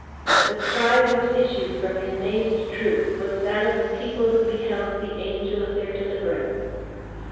The cry which issued from the amazed troops was that of a people who beheld the angel of their deliverance.